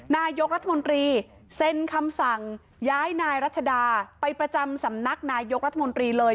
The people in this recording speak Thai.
นายกรัฐมนตรีเซ็นคำสั่งย้ายนายรัชดาไปประจำสำนักนายกรัฐมนตรีเลย